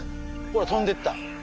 ほら飛んでった！